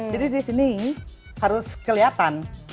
jadi di sini harus kelihatan